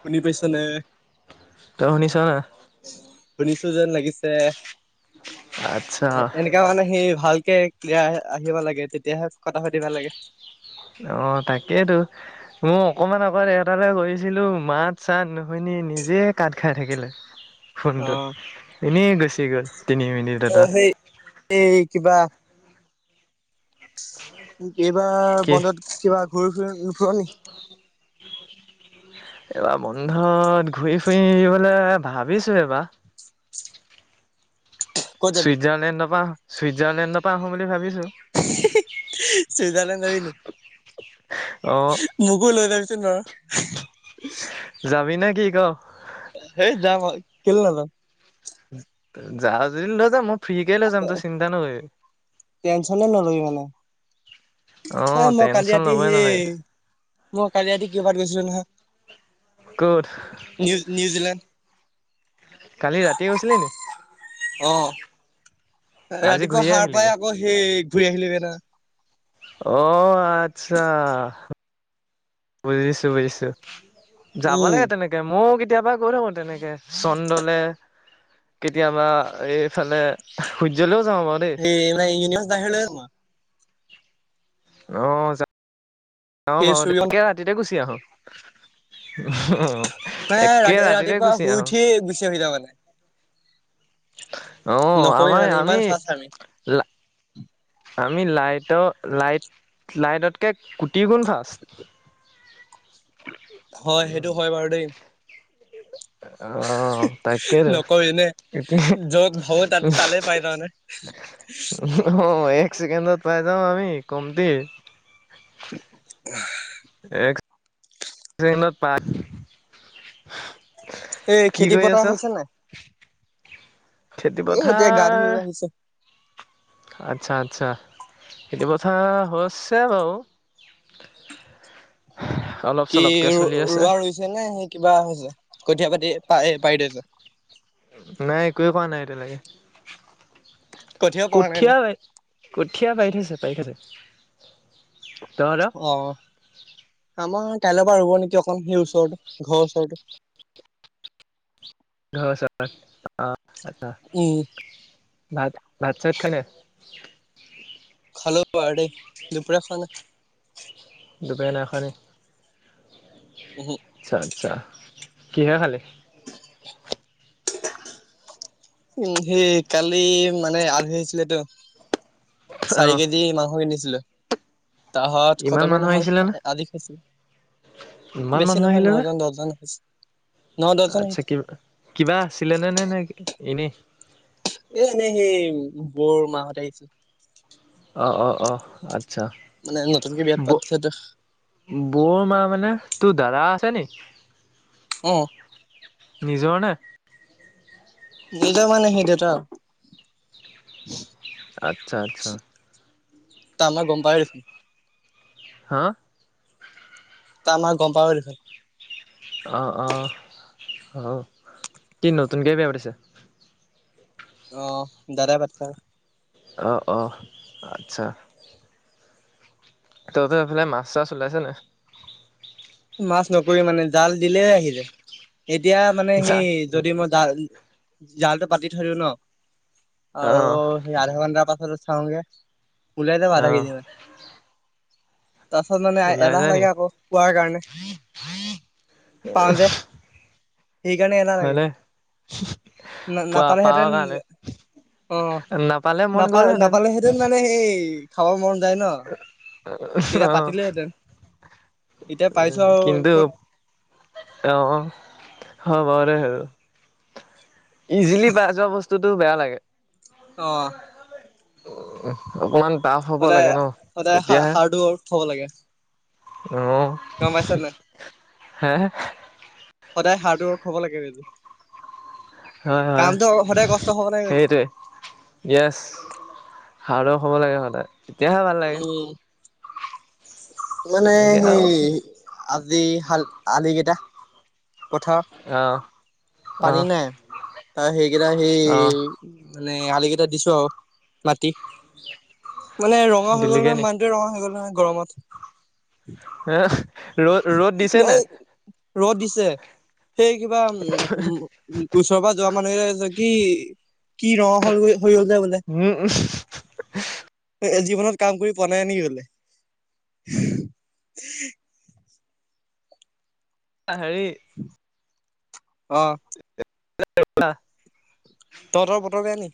শুনি পাইচা নে ত শনিচ ন যে লাগিছে আচ্ছা এ এনেকা মানে সেই ভালকে ক্লিয়াৰ আহিব লাগে তেতিয়াহে কথা পাতিব লাগে অ তাকেইেতো মোৰ অকমান আকৌ দেহতালৈ কৰিছিলো মাত চাত নুশুনি নিজে কাত খাই থাকিলে অ ফোনটো এনেই গুচি গ'ল তিনি মিনিট এটা সেই এই কিবা এইবাৰ কি বন্ধত কিবা ঘূৰি ফৰি নু ফুৰ নে এইবাৰ বন্ধত ঘূৰি ফুই বোলে ভাবিছো এইবাৰ ক'ত যাবি চুইজাৰলেণ্ড নাপা চুইজাৰলেণ্ড নাপা আহো বুলি ভাবিছো সজাৰলেণ্ড য ন অ'। মুকুল হৈ য নৰ তাবি ন কি ক সেই যাম কেল ন যাম যা নত ম [unintelligible] টেনচনে নলয় মানে এ অ' মই কালি টেনচন ৰাতি ল'বই সেই নালাগে। মই কালি ৰাতি ক পাত গৈছিলো নহয় ক'ত নিউ নিউজিলেণ্ড কালি ৰাতিয়ে গৈছিলে অ ন ৰাতিপুৱা সাৰ পাই আকৌ সেই ঘূৰি আহিলি বেনা অ' আচ্ছা বুজিছো বুজিছো। যাব উম লাগে তেনেকে ময়ো কেতিয়াবা গৈ থাকোঁতে তেনেকে চন্দলে। কেতিয়াবা এইফালে সূৰ্যলেও [unintelligible] অ', যা-যাঁও সেই বাৰু সূৰ্য [inaudible] ৰাতিতে গুচ [unintelligible] [unintelligible] ৰাতি-ৰাতিপুৱা শুই উঠি গুচি আহি যাওঁ মানে। অ', নকবি আমাৰ মানে আমি ইমান ফাষ্ট আমি লা আমি লাইটৰ, লাইট, লাইটতকে কোটি গুণ ফাষ্ট। হয়, সেইটো হয়, বাৰু দেই। অ', তাকেইটো নকবি নে এতি য'ত ভাবো তাত তালে পাই যাওঁ মানে অ', এক ছেকেণ্ডত পাই যাওঁ আমি কমতি এক [unintelligible] এই কি কৰি আছ? খেতিপথাৰ হৈছে নাই? খেতি এ, এতিয়া গা পথাৰ ধুই আহিছোঁ। আচ্ছা, আচ্ছা। খেতিপথাৰ হৈছে বাৰু। অলপ কি চলপকে চলি আছে ৰ-ৰোৱা ৰুইছেনে? কিবা হৈছে? কঠীয়া পাতি পা-পাৰি থৈছে। নাই, একোৱে কৰা নাই এতিয়ালেকে। কঠীয়াও পৰা নাই নে কঠীয়া, কঠীয়া পাৰি থৈছে, পাৰি থৈছে। তহঁতৰ অ', আমাৰ কাইলৈ পৰা ৰুব নেকি অকন, সেই ওচৰতো ঘৰৰ ওচৰতো। [inaudible] উম ভাত, ভাত চাত [unintelligible] খালোঁ [unintelligible] দুপৰীয়া খোৱা নাই। দুপৰীয়া নাই খোৱা নি? উহু। আচ্ছা, আচ্ছা। কিহে খালি? উম, সেই কালি মানে আলহী আহিছিলে টো অ চাৰি কেজি মাংস কিনিছিলোঁ। তাহত ইমান খতমেই মানুহ নহ'ল‌, আহিছিলে নে আজি খাইছোঁ। ইমান বেছি মানুহ নহয়, আহিলে নে নজন, দহজন আহিছিল। আচ্ছা, কি-কিবা আছিলেনে নে-নে এনেই? এ, এনেই সেই বৌৰ মাহঁত আহিছিল। অ', অ', অ', আ আচ্ছা। মানে নতুনকে বিয়াত পাতিছেতো বৌ-বৌৰ মা মানে? তোৰ দাদা আছেনি? অ'। নিজৰ নে? নিজৰ মানে সি দেউতা আচ্ছা, আচ্ছা। [unintelligible] গম পাওঁৱে দেখোন। হা তই আমাৰ গম পাৱৱে দেখোন অ', অ', অ', কি নতুনকে বিয়া পাতিছে? অ', দাদায়ে [unintelligible] অ', অ', আচ্ছা। তহঁতৰ এইফালে মাছ, চাছ ওলাইছে নাই? মাছ নকৰি মানে জাল দিলেই আহি যায়, এতিয়া মানে যা সেই যদি মই জাল জালটো পাতি থৰিও ন আৰু অঁ সেই আধা ঘন্টাৰ পাছত চা গে উওলাইটা বাৰা অঁ কেিন ম তাৰপাছত মানে এলাহ লাগে আকৌ কোৱাৰ কাৰণে উ পাওঁ যে উ সেইকাৰণে এলাহ লাগে না পোৱা পাৱ নাপালেহেঁতেন কাৰণে অ', নাপালে মন নাপা গ'লহেঁতেন নাপালেহেঁতেন মানে সেই খাব মন [unintelligible] অঁ পাতিলোহেতেন। কিন্তু আহ হ বাৰু দে আৰু ইজিলি পাই যোৱা বস্তুতটো বেয়া লাগে আহ, উ, অকমান তাফ হ'ব সদায় লাগে ন সদায় হা তেতিয়াহে হাৰ্ড ৱৰ্ক হ'ব লাগে গম পাইছা নাই অহ, সদায় হাৰ্ড ৱৰ্ক হব লাগে বাইদে হয়, হয় সেইটোৱে হ'ব লাগে সদায় এতিয়াহে ভাল লাগে উম মানে এনেকে আৰু সেই আজিকালি কেইটা পথাৰ অঁ অহ পানী নাই তাৰ সেইকেইটা অহ সেই মানে, আলি কেইটা দিছো আৰু মতি মানে ৰঙা হৈ গ'ল দিলিগে নহয় নি মানুহটোৱে ৰঙা হৈ গ'ল নহয় গৰমত হ ৰ' ৰ'দ দিছে নে ৰ'দ দিছে সেই, কিবা উম ওচৰৰ পৰা যোৱা মানুহে কি কি ৰঙ হ'লগৈ উম জীৱনত কাম কৰি পোৱা নাই নেকি হলে হেৰি। অ [unintelligible] তহতৰ বতৰতে আনি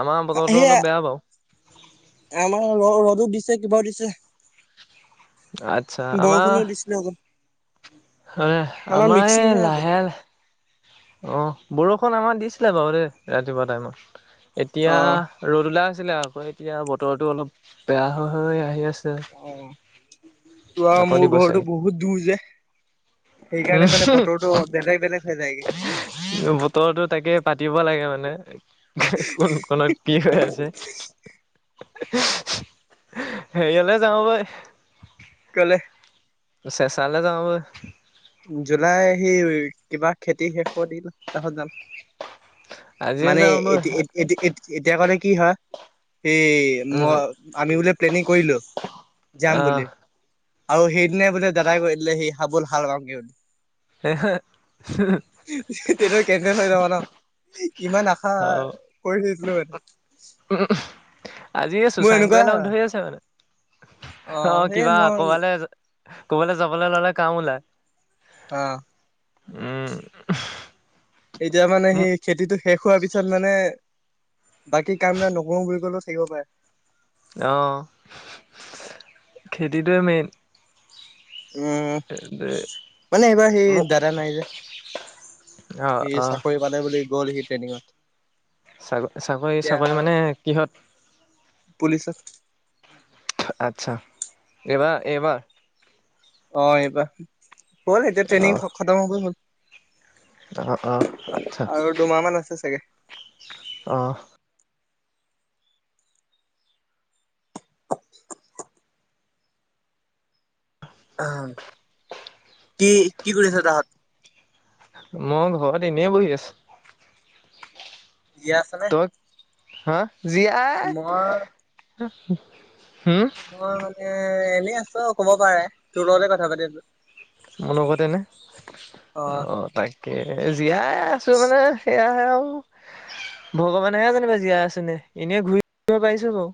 আমাৰ বতৰটো অলপ বেয়া পা আমাৰ ৰ ৰ'দো দিছে কিবাও দিছে আচ্ছা আমাৰ বৰষুণও দিছিলো অক হয়, আমাৰ মিক্সিং এই হৈ আছে লাহে অ', বৰষুণ আমাৰ দিছিলে বাৰু দেই ৰাতিপুৱা টাইমত অ এতিয়া ৰ'দ ওলাই আছিলে আকৌ এতিয়া বতৰটো অলপ বেয়া হৈ, হৈ আহি আছে অ', তো আৰু মোৰ ঘৰটোো বহুত দূৰ যে সেইকাৰণে মানে বতৰটো বেলেগ বেলেগ হৈ যায়গে বতৰটোো তাকে পাতিব লাগে মানে কোন কত কি হৈ আছে হেৰিয়লে যাওঁ বই কেলে চেচালে যা জুলাই সি কিবা খেতি শেষ কৰি দিল তাহত যাম আজিয়ে মানে যাওঁ বৈ এতি এতি এতিয়া কলে কি হয় স ম উম আমি বোলে প্লেনিং কৰিলো যাম বুলি অহ আৰু সেইদিনাই বোলে দাদাই কৰি দিলে সেই হাবল হাল পাওঁগ বুলি তেনে কেনে যাবা ন ইমান আশা অ কৰি থৈছিলো মানে আজি এই মোৰ এনেকুৱা শুশাংকুয়ে লগ হয় ধৰি আছে মানে অ সেই কিবা মই কবালৈ কোবলে যাব ললে কাম ওলায় আহ উম। এতিয়া মানে সেই খেতিটো শেষ হোৱাৰ পিছত মানে বাকী কামবিলটা নকৰো বুলি কলেও চাকিব পাৰে অ', খেতিটোৱে মেইন। উম, মানে এইবাৰ সেই মোক দাদা নাই যে অ সি অ চাকৰি পালে বুলি গ'ল সি ট্ৰেইনিঙত চাক চাকৰি এতিয়া চাকৰি মানে কিহত পুলিচত আতচ্ছা। এইবাৰ, এইবাৰ। অ', এইবাৰ। হ'ল, এতিয়া অ ট্ৰেইনিং খ-খতম হ'ব হ'ল। অ', অ', আচ্ছা আৰু দুমাহ মান আছে চাগে অ'। আহ কি কি কৰি আছ তাহাত মই ঘৰত এনে বহি আছোঁ। [unintelligible] আছেনে? হা জিয়াই মই মানে এনে আছো কব পাৰে তোৰলে কথা পাতি আছো মোৰ লগতে এনে অ তাকে জীয়াই আছো মানে সেয়া [unintelligible] ভগৱানেহে যোনিবা জীয়াই আছেনে এনেই ঘূৰি ফ পাৰিছো বাৰু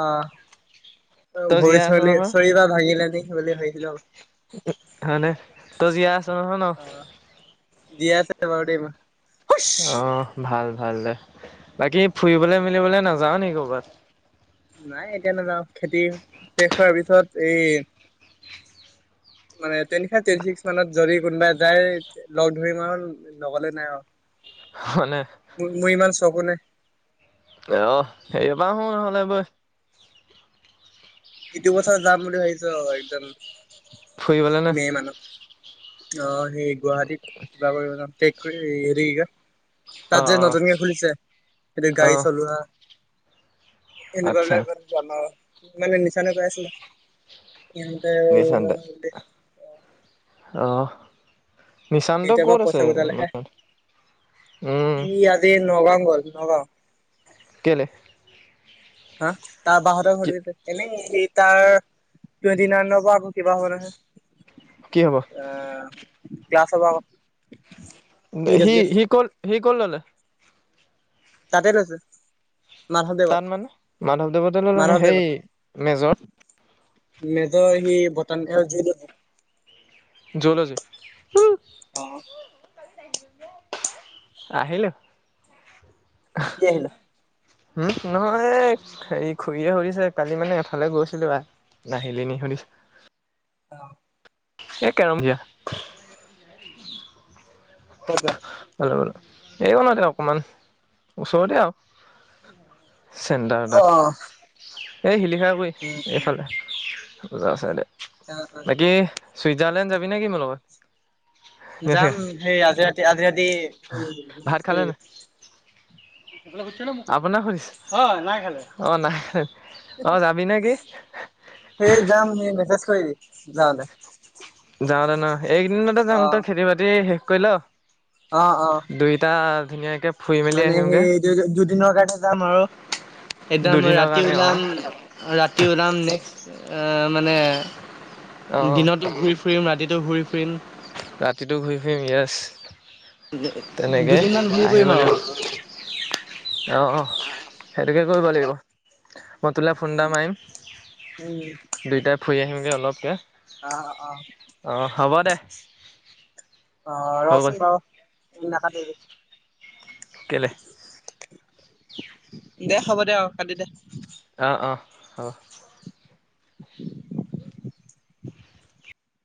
আহ অ', তই জীয়াই ভৰি আছ নহয় চলী-চৰি বা ভাঙিলে নে, সেই বুলি ভাবিছিলোঁ‌ [unintelligible] তজিয় অ জিয় আছে বওম আহ ভাল ভাল দে বাকী ফুৰিবলে মেলিবলৈ নাযাও নেকি কৰ'বাত নাই এতিয়া নেযাওঁ খেতি শেষ হোৱাৰ পিছত এই মানে তেনিফাই টেটি ছিক্স মানত যদি কোনোবা যায় লগ ধৰি মাহ হ'ল লগলে নাই হয়নে আৰু। মোৰ ইমান চকোনে আহ সেইব শো নহলে বৈ ইতিয়া বছত যাম বুলি ভাইছ একদম ফুৰিবলে নে? মে মানত অ সেই গুৱাহাটীত কিবা কৰিবক হেৰি কা অ তাত যে অ নতুনকে খুলিছে এতে অ গাড়ী চলোৱা। আচ্ছা এনেকুৱাবিলাক [unintelligible] মানে নিচানে গাই আছিলা। তেন্তে [unintelligible] আহ কেতিয় পৰাা পইচা কটালে হে উম সি আজি নগাও গ'ল নগ কেলে? হা তাৰ বাহঁতৰ কি ঘৰতে এনেই স তাৰ টুৱেটি নাই পৰা আকৌ কিবা হব নহে কি হ'ব অ', ক্লাছ হ'ব। পি ি ডব্লিউ হি কল হি কল ললে তাতে লৈছ তাত মানে মাধৱদেৱতে লল ন সেই মেজৰ ম ত সি বটান খ জ জলজি আহ আহিলোঁ। আহিল উম নহয় হে খুৰে শুৰিছে কালি মানে এফালে গৈছিলো আৰু নাহিল নি শুনিছ অ' এ কেৰম দিয়া [unintelligible] হেল্ল'ল এই কনতে অকণমান ওচৰতে আৰু চেণ্টাৰ অ তাত এই শিলিখাগুই উম উম এইফালে আছে দে বাকী চুইজাৰলেণ্ড যাবি নে কি মোৰ লগত যাম সেই আজি ৰাতি আজি ৰাতি মেজ ভাত খালে কৰি নাই? আপোনাক সুধিছো অ' নাই খালে অ' নাই খালে সেই যাম মোক মেছেজ কৰিবি যাওতে যাওঁতে ন এইকদিনতে যাম তই খেতি বাতি শেষ কৰিল অ অ দুইটা ধুনীয়াকে ফুৰি মেলি মানে আহিমগে সেই দুদিনৰ কাৰণে যাম আৰু একদম দুদিনৰ ৰাতি কাৰণে অ ওলাম ৰাতি ওলাম নেক্সট মানে অ দিনতো ঘূৰি ফুৰিম ৰাতিটো ঘূৰি ফুৰিম ৰাতিটো ঘূৰি ফুৰিম য়েছ তেনেকে দুদিনমান ঘূৰি ফুৰিম আৰু আহিবলৈ অ', অ' সেইটোকে কৰিব লাগিব মই তোলে ফোন এটা মাৰিম উম দুইটাই ফুৰি আহিমগৈ অলপকৈ অ' হ'ব দে অ', হৈ গ'ল ৰচোন ৰ নাকাটিবি কেলে দে হ'ব দে অ' কাটি দে অ' অ' হব